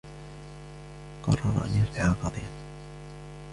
قرر أن يصبح قاضيا.